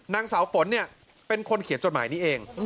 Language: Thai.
นางสาวฝนเนี่ยเป็นคนเขียนจดหมายนี้เอง